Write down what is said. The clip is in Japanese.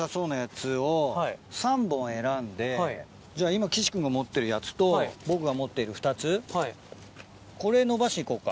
今岸君が持ってるやつと僕が持ってる２つこれ伸ばして行こうか。